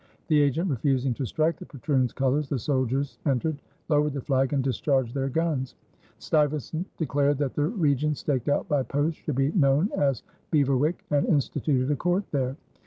The agent refusing to strike the patroon's colors, the soldiers entered, lowered the flag, and discharged their guns. Stuyvesant declared that the region staked out by posts should be known as Beverwyck and instituted a court there.